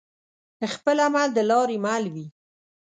خپل عمل د لاري مل وي